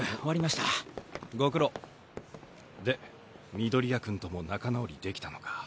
緑谷くんとも仲直りできたのか。